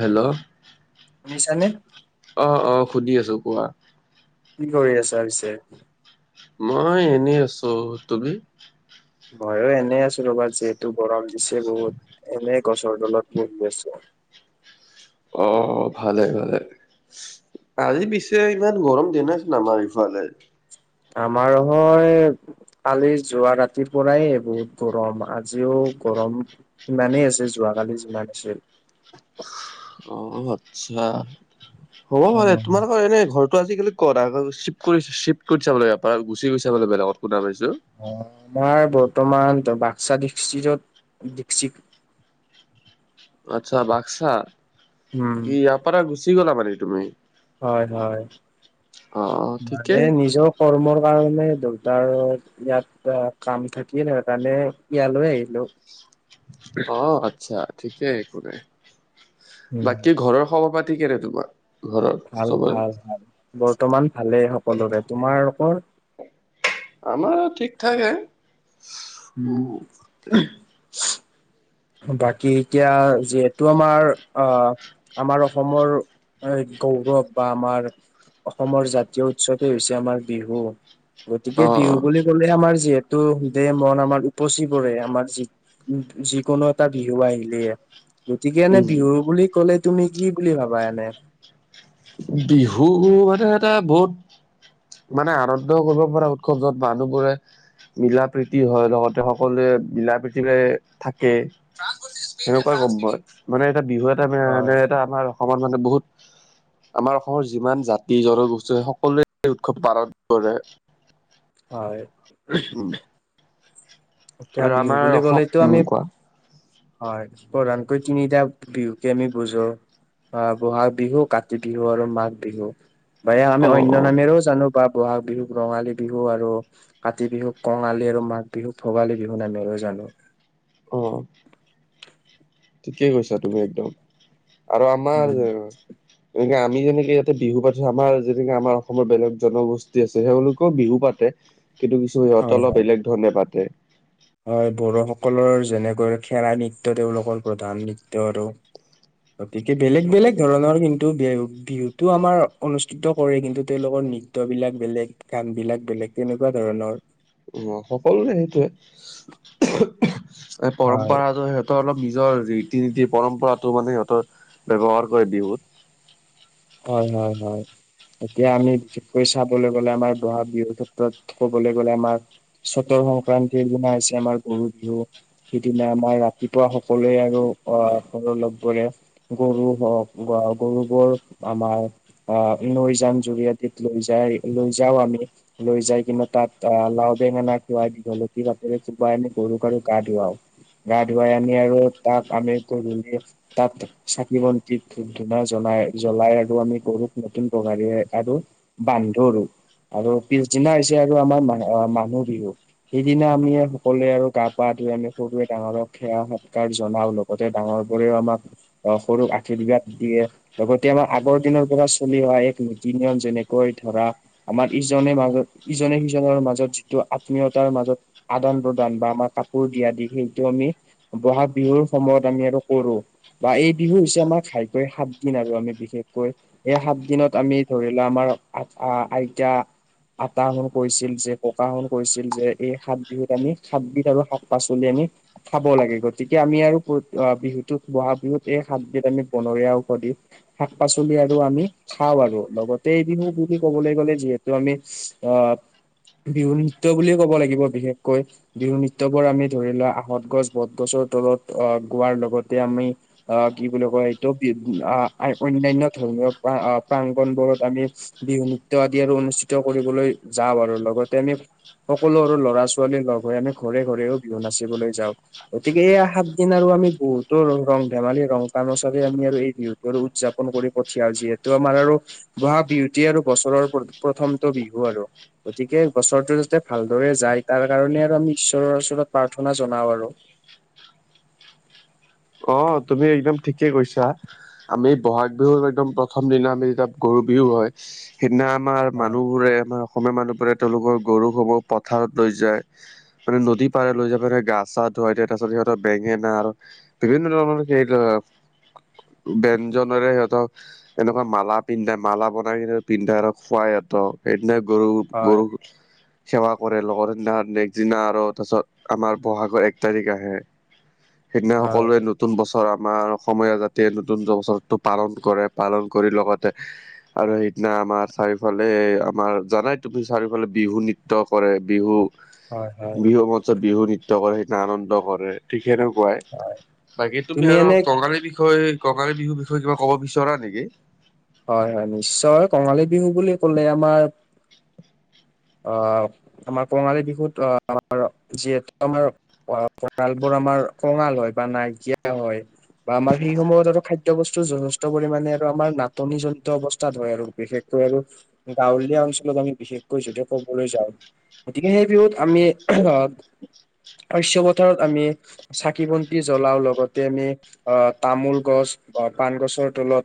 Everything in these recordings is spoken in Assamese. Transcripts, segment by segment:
হেল্ল' শুনিছানে? অ', অ', সুধি আছো কোৱা কি কৰি আছা পিছে? মই এনেই আছো। তুমি? মইয়ো এনেই আছো ৰবা যিহেতু গৰম দিছে বহুত এনে গছৰ তলত বহি আছো। অ অ ভালে ভালে। আজি পিছে ইমান গৰম দিয়া নাই চোন আমাৰ ইফালে। আমাৰ হয় কালি যোৱা ৰাতিৰ পৰাই বহুত গৰম আজিও গৰম। ইমানেই আছে যোৱাকালি যিমান আছিল। অ', আচ্ছা হ'ব পাৰে অ', তোমালোকৰ এনে ঘৰ টো আজি-কালি ক'ত আগ চিফ্ট কৰি চিফ্ট কৰিছা মানে ইয়াৰ পৰা গুচি গৈছা মানে বেলেগত শুনা পাইছো। অ', আমাৰ বৰ্তমান বাক্সা ডিষ্টিটত ডিক্সিত আচ্ছা বাক্সাত উম, কি ইয়াৰপাৰা গুচি গ'লা মানে তুমি? হয় হয় অ', ঠিকেই মানে নিজৰ কৰ্মৰ কাৰণে দেউতাৰ ইয়াত আ কাম থাকিয়ে ন কাৰণে ইয়ালৈ আহিলো। অ', আচ্ছা ঠিকেই একো নাই। বাকী ঘৰৰ খবৰপাতি কেনে তোমাৰ? ঘৰৰ ভাল চবৰে? ভাল ভাল বৰ্তমান ভালেই সকলোৰে। তোমালোকৰ? আমাৰ ঠিক ঠাকে উম। উ। বাকী এতিয়া যিহেতু আমাৰ আহ আমাৰ অসমৰ এই গৌৰৱ বা আমাৰ অসমৰ জাতীয় উৎসৱেই হৈছে আমাৰ বিহু গতিকে বিহু অ', বুলি ক'লে তে আমাৰ যিহেতু দেহ মন আমাৰ উপচি পৰে আমাৰ যি যিকোনো এটা বিহু আহিলে এয়া। গতিকে এনে উম, বিহু বুলি ক'লে তুমি কি বুলি ভাবা এনে? বিহু হো মানে এটা বহুত মানে আনন্দ কৰিব পৰা উৎসৱ য'ত মানুহবোৰে মিলা প্ৰীতি হয় লগতে সকলোৱে মিলা প্ৰতিৰে থাকে। সেনেকুৱাই গম মই মানে এটা বিহু এটা হয় মানে এটা আমাৰ অসমত মানে বহুত আমাৰ অসমৰ যিমান জাতি জনগোষ্ঠী সকলোৱে উৎসৱ পালন কৰে। হয়। উম এতিয়া আৰু বিহু আমাৰ বুলি অসম ক'লেতো উম আমি কোৱা হয় প্ৰধানকৈ তিনিটা বিহুকে আমি বুজো। অ', বহাগ বিহু, কাতি বিহু আৰু মাঘ বিহু বা অ আমি অ অন্য নামেৰেও জানো। বা বহাগ বিহুক ৰঙালী বিহু আৰু কাতি বিহুক কঙালী আৰু মাঘ বিহুক ভোগালী বিহু নামেৰেও জানো। উম ঠিকেই কৈছা তুমি একদম আৰু আমাৰ উম, এনেকে আমি যেনেকে ইয়াতে বিহু পাতিছো আমাৰ যেনেকে আমাৰ অসমৰ বেলেগ জনগোষ্ঠী আছে সেওঁলোকো বিহু পাতে। কিন্তু কিছু সিহঁতে হয় অলপ হয় বেলেগ ধৰণে পাতে। হয় বড়োসকলৰ যেনেকৈ খেৰা নৃত্য তেওঁলোকৰ প্ৰধান নৃত্য আৰু গতিকে বেলেগ বেলেগ ধৰণৰ কিন্তু বেঅ বিহুটো আমাৰ অনুষ্ঠিত কৰে কিন্তু তেওঁলোকৰ নৃ- ত্য বিলাক বেলেগ, গান বিলাক বেলেগ তেনেকুৱা ধৰণৰ। অ', সকলোৰে সেইটোৱে এই হয় পৰম্পৰাটো স অলপ নিজৰ ৰীতি নীতি পৰম্পৰাতটো মানে সিহঁতৰ ব্যৱহাৰ কৰে বিহুত। হয়, হয়, হয়। এতিয়া আমি বিশেষকৈ চাবলৈ গ'লে আমাৰ বহাগ বিহুৰ ক্ষেত্ৰত ক'বলৈ গলে আমাৰ চ'তৰ সংক্ৰান্তিৰ দিনা হৈছে আমাৰ গৰু বিহু। সিদিনা আমাৰ ৰাতিপুৱা সকলোৱে আৰু অ', ঘৰ লগ বৰে গৰু হওঁক গৰুবোৰ আমাৰ আহ নৈ জান জুৰি আদিত লৈ যায় লৈ যাওঁ আমি লৈ যাই কিন্তু তাত লাও বেঙেনা খুৱাই ঘলকি পাটৰে খুুৱাই আমি গৰুক আৰু গা ধুৱাও। গা ধুৱাই আনি আৰু তাক আমি গধূলি তাত চাকি বন্তি ধূপ -ধূনা জ্বলাই জ্বলাই আৰু আমি গৰুক নতুন বঙাৰীয়ে আৰু বান্ধো আৰু। আৰু পিছদিনা হৈছে আৰু আমাৰ ম মানুহ বিহু। সেইদিনা আমি সকলোৱে আৰু গা-পা ধুই আমি সৰুে ডাঙৰক সেৱা সৎকাৰ জনা ল গতে ডাঙৰ বোৰেও আমাক সৰু আশীৰ্বাদ দিয়ে। লগতে আমাৰ আগৰ দিনৰ পৰা চলি অহা এক নীতি নিয়ম যেনেকৈ ধৰা আমাৰ ইজনে মাজত ইজনে সিজনৰ মাজত যিটো আত্মীয়তাৰ মাজত আদান প্ৰদান বা আমাৰ কাপোৰ দিয়া দি সেইটো আমি বহাগ বিহুৰ সময়ত আমি আৰু কৰোঁ বা এই বিহু হৈছে আমাৰ ঘাইকৈ সাত সাদিন আৰু আমি বিশেষকৈ এই সাত দিনত আমি ধৰি লোৱা আমাৰ আতা আইতা আটা হুন কৈছিল যে ককা হুন কৈছিল যে এই সাত বিহুত আমি সাতবিধ আৰু শাক-পাচলি আমি খাব লাগে গতিকে আমি আৰু বিহুতো ব'হাগ বিহুত এই সাত দিত আমি বনৰীয়া ঔষধি শাক- পাচলি আৰু আমি খাওঁ আৰু লগতে এই বিহু বুলি ক'বলৈ গলে যিহেতু আমি আহ বিহু নৃত্য বুলিও ক'ব লাগিব বিশেষকৈ বিহু নৃত্যবোৰ আমি ধৰি লোৱা আহত গছ বট গছৰ তলত আহ গোৱাৰ লগতে আমি আহ কি বুলি কয় এইটো বি অন্যান্য ধৰ্মৰ প্ৰাংগন বোৰত আমি বিহু নৃত্য আদি আৰু অনুষ্ঠিত কৰিবলৈ যাওঁ আৰু লগতে আমি সকলো সৰু ল'ৰা ছোৱালীৰ লগ হৈ আমি ঘৰে ঘৰেও বিহু নাচিবলৈ যাওঁ। গতিকে এইয়া সাত দিন আৰু আমি বহুতো ৰং ধেমালি ৰং তমাচাৰ আমি আৰু এই বিহুত উদযাপন কৰি পঠিয়াল যিহেতু আমাৰ আৰু বহাগ বিহটি আৰু বছৰৰ প্ৰথমটো বিহু আৰু গতিকে বছৰটো যাতে ভালদৰে যায় তাৰ কাৰণে আৰু আমি ঈশ্বৰৰ ওচৰত প্ৰাৰ্থনা জনাওঁ আৰু। অ', তুমি একদম ঠিকে কৈছা। আমি ব'হাগ বিহু একদম প্ৰথম দিনা আমি যেতিয়া গৰু বিহু হয়। সেইদিনা আমাৰ হয় মানুহ বোৰে আমাৰ অসমীয়া মানুহবোৰে তেওঁলোকৰ গৰুসমূহ পথাৰত লৈ যায় মানে নদী পাৰে লৈ যাবে গা- চা ধুৱাই দিয়া তাৰ পাছত সিহঁত বেঙেনা আৰু বিভিন্ন ধৰণৰ সেইটো ব্যঞ্জনেৰে সিহঁতক এনেকুৱা মালা পিন্ধাই মালা বনাই কিনে পিন্ধে আৰু খুৱাই সিহঁত সেইদিনা গৰু, হয় গৰু সেৱা কৰে লগৰ সিদিনা নেক্স দিনা আৰু তাৰ পিছত আমাৰ বহাগৰ এক তাৰিখ আহে সেইদিনা হয় সকলোৱে নতুন বছৰ আমাৰ অসমীয়া জাতিৰ নতুন বছৰটো পালন কৰে পালন কৰি লগতে আৰু সেইদিনা আমাৰ চাৰিওফালে আমাৰ জানাই তুমি চাৰিওফালে বিহু নৃত্য কৰে বিহু হয় হয় বিহু মঞ্চত বিহু নৃত্য কৰে সেইটোনা আনন্দ কৰে ঠিক সেনেকুৱাই হয় বাকী তুমি আৰু টঙালী বিষয়ে কঙালী বিহুৰ বিষয়ে কিবা ক'ব বিচৰা নেকি হয় হয় নিশ্চয় কঙালী বিহু বুলি কলে আমাৰ অ আমাৰ কঙালী বিহুত অ অ যিহেতু আমাৰ অ ভৰাল বোৰ আমাৰ কঙাল হয় বা নাইকিয়া হয় বা আমাৰ সেই সময়ত আৰু খাদ্য বস্তু যথেষ্ট পৰিমানে আৰু আমাৰ নাটনি জনিত অৱস্থাত হয় আৰু বিশেষ কে আৰু গাঁৱলীয়া অঞ্চলত আমি বিশেষকৈ যটো কবলৈ যাওঁ গতিকে সেই বিহুত আমি আহ শস্য পথাৰত আমি চাকি বন্তি জ্বলাও লগতে আমি আহ তামোল গছ বা পান গছৰ তলত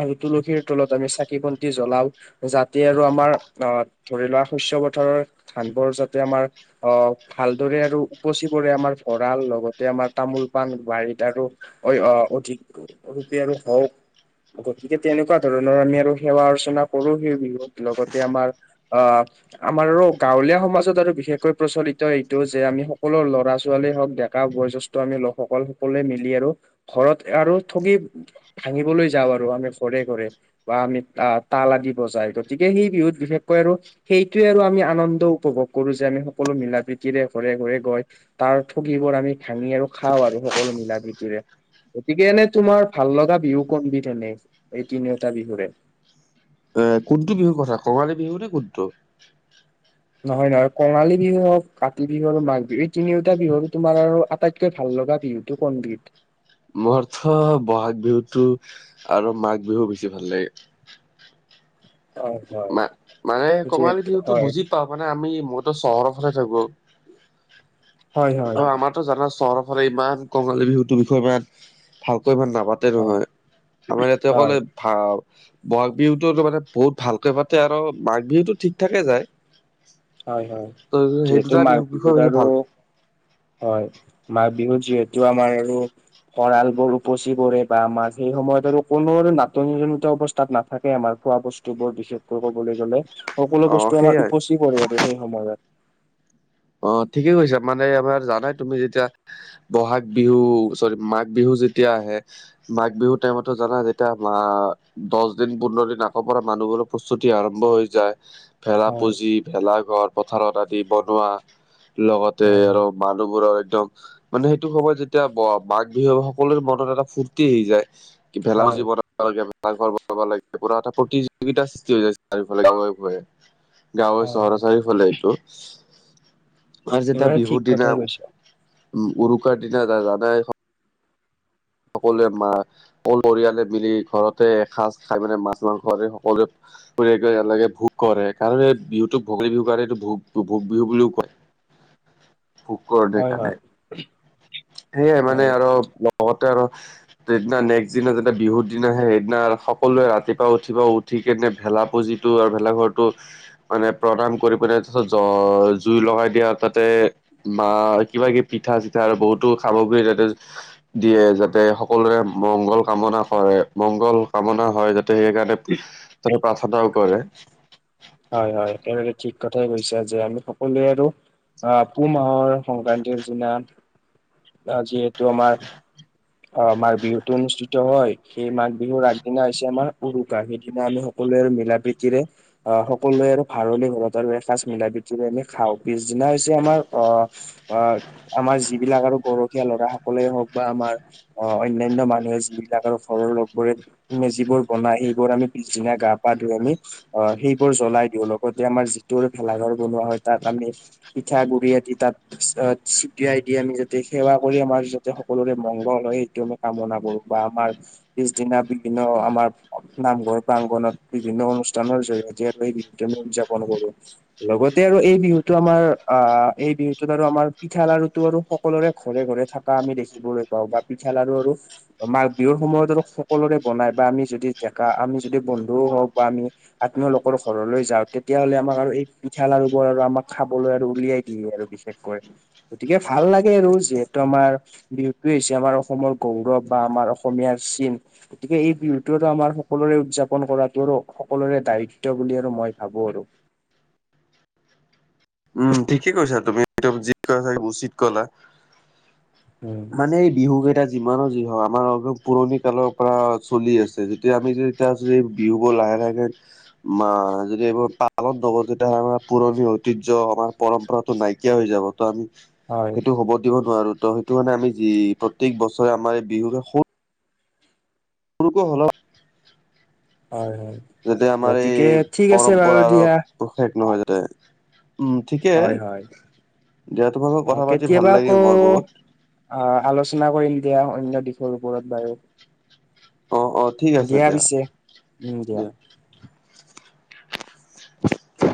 আৰু তুলসীৰ তলত আমি চাকি বন্তি জ্বলাও যাতে আৰু আমাৰ অ ধৰি লোৱা শস্য পথাৰৰ ধানবোৰ যাতে আমাৰ অ ভালদৰে আৰু উপচি পৰে আমাৰ ভঁৰাল লগতে আমাৰ তামোল পাণ বাৰীত আৰু অই অ অধিক অতি আৰু হওক গতিকে তেনেকুৱা ধৰণৰ আমি আৰু সেৱা অৰ্চনা কৰো সেই বিহুত লগতে আমাৰ অ আমাৰো গাঁৱলীয়া সমাজত আৰু বিশেষকৈ প্ৰচলিত এইটো যে আমি সকলো ল'ৰা ছোৱালী হওঁক ডেকা বয়জেষ্ঠ ট আমি লোকসকল সকলোৱে মিলি আৰু ঘৰত আৰু ঠগি ভাঙিবলৈ যাওঁ আৰু আমি ঘৰে ঘৰে বা আমি তা তাল আদি বজাই গতিকে সেই বিহুত বিশেষকৈ আৰু সেইটোৱে আৰু আমি আনন্দ উপভোগ কৰো যে আমি সকলো মিলা প্ৰীতিৰে ঘৰে ঘৰে গৈ তাৰ ঠগী বোৰ আমি ভাঙি আৰু খাওঁ আৰু সকলো মিলা প্ৰীতিৰে গতিকে এনে তোমাৰ ভাল লগা বিহু কোনবিধ এনে এই তিনিওটা বিহুৰে এ কোনটো বিহুৰ কথা কঙালী বিহু নে কোনটো নহয় নহয় কঙালী বিহু হওক কাতি বিহু আৰু মাঘ বিহু এই তিনিওটা বিহুৰ তোমাৰ আৰু আটাইতকৈ ভাল লগা বিহু টো কোন বিধ মোৰ থ বহাগ বিহুতো আৰু মাঘ বিহু বেছি ভাল লাগে হয় হয় মা মানে কঙালী যিহেতু বিহুটো হয় বুজি ট মানে আমি মইতো চহৰৰ ফালে থাকো হয় ট হয় আমাৰ ট জানা চহৰ ফালে ইমান কঙালী বিহুৰ বিষয়ে ইমান ভালকৈ ইমান নাপাতো তে হয় নহয় আমাৰ ইয়াতে অকলে হয় ভা বহাগ বিহুতো মানে বহুত ভালকে পাতে আৰু মাঘ বিহুতো ঠিক ঠাকে যায় হয় হয় ত' সেই যিহেতু দুটা মাঘ বিহুৰ বিহুত বিষয়ে আৰু ভাল হয় মাঘ বিহুত যিহেতু আমাৰ আৰু ভৰাল বোৰ উপচি পৰে বা আমাৰ সেই সময়ত আৰু কোনো নাটনি জনিত অৱ তাত নাথাকে আমাৰ খোৱা বস্তু বোৰ বিশেষকৈ কবলৈ গলে সকলো অ' বস্তু আমাৰ সেইয়াই উপচি পৰে আৰু সেই সময়ত অ ঠিকে কৈছা মানে আমাৰ জানাই তুমি যেতিয়া বহাগ বিহু চৰি মাঘ বিহু যেতিয়া আহে মাঘ বিহুৰ টাইমতো জানা যেতিয়া মা দচ দিন পোন্ধৰ দিন আকৌ পৰা মানুহবোৰৰ প্ৰস্তুতি আৰম্ভ হৈ যায় ভেলা হয় পুঁজি ভেলা ঘৰ পথাৰত আদি বনোৱা লগতে হয় আৰু মানুহবোৰৰ একদম মানে সেইটো সময়ত যেতিয়া ব মাঘ বিহু সকলোৰে মনত এটা ফূৰ্তি আহি যায় ভেলা হয় জীৱনত এটা প্ৰতিযোগিতাৰ সৃষ্টি হৈ যায় চাৰিওফালে ঘয়ে ঘয়ে গাঁৱৰ হয় চহৰ হয় চাৰিওফালে এইটো আমাৰ যেতিয়া একেবাৰে ঠিক বিহুৰ দিনা কথাই কৈছা উ উৰুকাৰ দিনা জানাই সকলোৱে মা সকলো পৰিয়ালে মিলি ঘৰতে এসাঁজ খাই মেলি মাছ মাংস সকলোৱে একেলগে ভোগ কৰে কাৰণ এই বিহুতোক ভোগালী বিহু কাৰণে এইটো ভোগ ভোগ বিহু বুলিও কয় [unintelligible] ভোগ কৰে হয় সেইকাৰণে হয় সেইয়াই মানে হয় আৰু লগতে আৰু সেইদিনা নেক্সট দিনা যেতিয়া বিহুৰ দিনা আহে সেইদিনা সকলোৱে ৰাতিপুৱা উঠিব উঠি কিনে ভেলা পুজি টো আৰু ভেলা ঘৰতো মানে প্ৰদান কৰি পিনাই তাৰ পিছত জ জুই লগাই দিয়া তাতে মা কিবা কিবি পিঠা চিঠা আৰু বহুতো সামগ্ৰী তাতে দিয়ে যাতে সকলোৰে মংগল কামনা কৰে মংগল কামনা হয় সেইকাৰণে তাতে প্ৰাৰ্থনাও কৰে হয় হয় একেবাৰে ঠিক কথাই কৈছা যে আমি সকলোৱে আৰু আ পুহ মাহৰ সংক্ৰান্তিৰ দিনা যিহেতু আমাৰ অ মাঘ বিহুতো অনুষ্ঠিত হয় সেই মাঘ বিহুৰ আগদিনা হৈছে আমাৰ উৰুকা সেইদিনা আমি সকলোৰে মিলা প্ৰীতিৰে আহ সকলোৱে আৰু ভাৰলে ঘৰত আৰু এসাঁজ মিলা প্ৰীতিৰে আমি খাওঁ পিছদিনা হৈছে আমাৰ আহ বা আমাৰ যিবিলাক আৰু গৰখীয়া ল'ৰা সকলে হওক বা আমাৰ অ অন্যান্য মানুহে যিবিলাক আৰু ঘৰৰ লগবোৰে মেজিবোৰ বনাই সেইবোৰ আমি পিছদিনা গা পা ধুই আমি অ সেই বোৰ জ্বলাই দিওঁ লগতে আমাৰ যিটো ভেলাঘৰ বনোৱা হয় তাত আমি পিঠা গুৰি আদি তাত আ চি পি আই দি আমি যাতে সেৱা কৰি আমাৰ যাতে সকলোৰে মংগল হয় সেইটো কামনা কৰো বা আমাৰ পিছদিনা বিভিন্ন আমাৰ নামঘৰ প্ৰাংগনত বিভিন্ন অনুষ্ঠানৰ জৰিয়তে [unintelligible] লগতে আৰু এই বিহুতো আমাৰ আ এই বিহুতোত আৰু আমাৰ পিঠা লাৰুটো আৰু সকলোৰে ঘৰে ঘৰে থাকে আ আমি দেখিবলৈ পাওঁ বা পিঠা লাৰু আৰু মাঘ বিহুৰ সময়ত আৰু সকলোৰে বনাই বা আমি যদি ডেকা আমি যদি বন্ধুও হওঁক বা আমি আত্মীয় লোক ঘৰলৈ যাওঁ তেতিয়াহলে আমাক আৰু এই পিঠা লাৰু বোৰ আৰু আমাক খাবলৈ আৰু উলিয়াই দিয়ে আৰু বিশেষকৈ গতিকে ভাল লাগে আৰু যিহেতু আমাৰ বিহুটোৱে হৈছে আমাৰ অসমৰ গৌৰৱ বা আমাৰ অসমীয়াৰ চিন গতিকে এই বিহুটো আমাৰ সকলোৰে উদযাপন কৰাটোৰো সকলোৰে দায়িত্ব দায়িত্ব বুলি আৰু মই ভাবো আৰু উম ঠিকে কৈছা তুমি যি কৈচা উচিত কলা উম মানে এই বিহু কেইটা যিমানো যি হওক আমাৰ পুৰণি কালৰ পৰা চলি আছে যেতিয়া আমি যে এতিয়া যদি বিহুবোৰ লাহে লাহে মাহ যদি এইবোৰ পালন নকৰো তেতিয়াহ'লে আমাৰ পুৰণি ঐতিহ্য পৰম্পৰাটো নাইকিয়া হৈ যাব ত আমি হয় সেইটো হ'ব দিব নোৱাৰো ত সেইটো মানে আমি যি প্ৰত্যেক বছৰে আমাৰ এই বিহুক সৰুকৈ হলেও হয় হয় যাতে আমাৰ এই গতিকে ঠিক আছে বাৰু পৰম্পৰা দিয়া শেষ নহয় যাতে উম ঠিকে হয় হয় দিয়া তোমাৰ লগত কথা পাতি কেতিয়াবা ভাল আকৌ লাগিল মোৰ বহুত অ আলোচনা কৰিম দিয়া অন্য দিশৰ ওপৰত বাৰু অহ অহ ঠিক আছে দিয়া দিয়া [unintelligible]